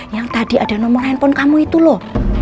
yang tadi ada nomor handphone kamu itu loh